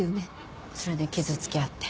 それで傷つけ合って。